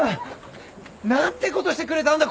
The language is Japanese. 何てことしてくれたんだ！